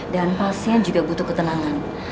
dan pasien juga butuh ketenangan